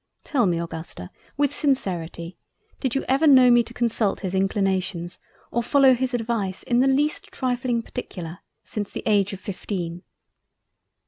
Tell me Augusta with sincerity; did you ever know me consult his inclinations or follow his Advice in the least trifling Particular since the age of fifteen?"